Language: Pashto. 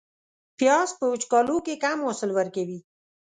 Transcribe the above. پیاز په وچکالو کې کم حاصل ورکوي